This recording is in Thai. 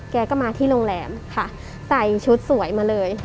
แกก็มาที่โรงแรมค่ะใส่ชุดสวยมาเลย